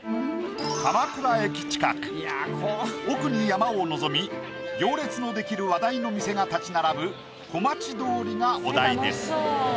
鎌倉駅近く奥に山を望み行列の出来る話題の店が立ち並ぶ小町通りがお題です。